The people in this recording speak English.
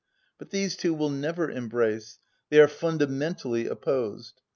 But these two will never embrace: they are fundamentally opposed.